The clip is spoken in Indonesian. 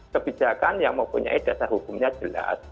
kebijakan yang mempunyai dasar hukumnya jelas